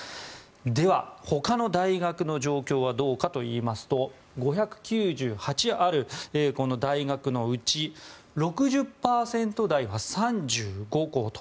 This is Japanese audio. では、他の大学の状況はどうかといいますと５９８ある大学のうち６０％台が３５校と。